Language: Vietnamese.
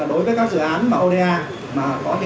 bởi hầu hết chiều dài có tới